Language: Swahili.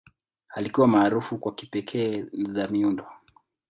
Alikuwa maarufu kwa kipekee za miundo.